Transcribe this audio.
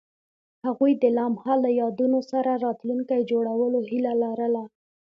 هغوی د لمحه له یادونو سره راتلونکی جوړولو هیله لرله.